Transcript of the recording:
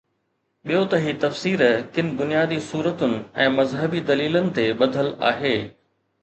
ٻيو ته هي تفسير ڪن بنيادي صورتن ۽ مذهبي دليلن تي ٻڌل آهي.